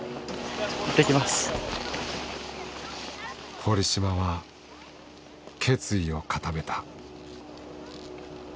堀島は決意を固めた。